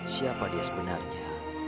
siapa dia sebenarnya